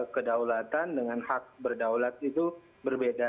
kedaulatan dengan hak berdaulat itu berbeda